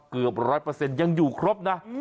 เกือบร้อยเปอร์เซ็นต์ยังอยู่ครบนะ